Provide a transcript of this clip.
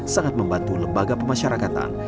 sangat membantu lembaga pemasyarakatan